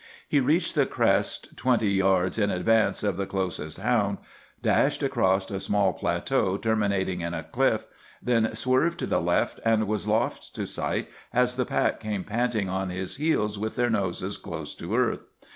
He reached the crest twenty yards in advance of the closest hound, dashed across a small plateau terminating in a cliff, then swerved to the left, and was lost to sight as the pack came panting on his heels with their noses close to earth.